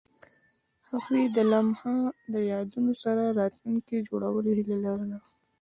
هغوی د لمحه له یادونو سره راتلونکی جوړولو هیله لرله.